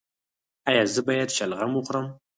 ایا زه باید شلغم وخورم؟